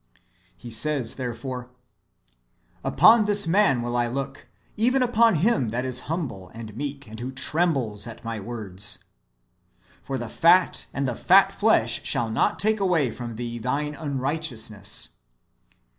"^ He says, therefore, " Upon this man will I look, even upon him that is humble, and meek, and who trembles at my words." ^" For the fat and the fat flesh shall not take away from thee thine unrighteousness."